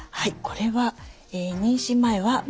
これは妊娠前は○。